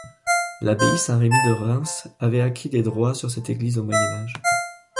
L'abbaye Saint-Remi de Reims avait acquis des droits sur cette église au moyen-âge.